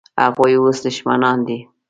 هغوی اوس دښمنان دي.